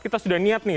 kita sudah niat nih